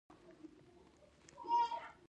هغه څوک چې غواړي پر خلکو باندې حکومت وکړي.